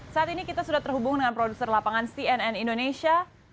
saat ini kita sudah terhubung dengan produser lapangan cnn indonesia